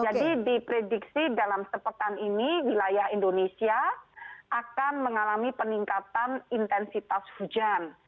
jadi diprediksi dalam sepetan ini wilayah indonesia akan mengalami peningkatan intensitas hujan